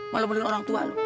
malah beli orang tua lu